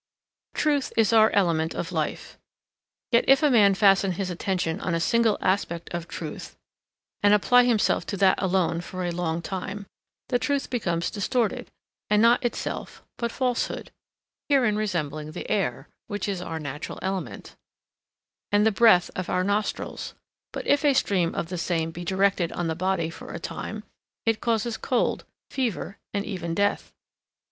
Truth is our element of life, yet if a man fasten his attention on a single aspect of truth and apply himself to that alone for a long time, the truth becomes distorted and not itself but falsehood; herein resembling the air, which is our natural element, and the breath of our nostrils, but if a stream of the same be directed on the body for a time, it causes cold, fever, and even death.